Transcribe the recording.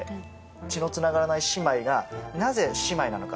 血のつながらない姉妹がなぜ姉妹なのか？